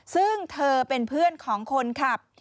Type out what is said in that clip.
ซึ่งเธอเป็นเพื่อนของคนขับ